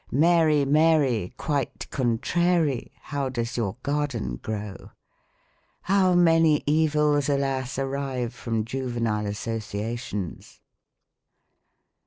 " Mary, Mary, Quite contrary, How does your garden grow ?" How many evils, alas ! arise from juvenile associa tions